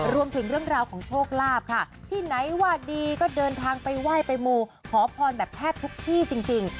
เรื่องราวของโชคลาภค่ะที่ไหนว่าดีก็เดินทางไปไหว้ไปมูขอพรแบบแทบทุกที่จริง